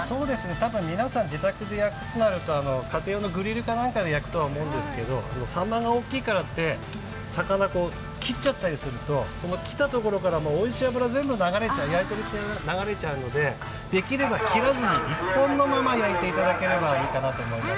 多分皆さん、自宅でやるとなると家庭用のグリルか何かで焼くと思うんですけどさんまが大きいからって、魚を切っちゃったりすると、切ったところからおいしい脂が焼いているうちに全部流れちゃうのでできれば切らずに、一本のまま焼いていただけるといいかなと思います。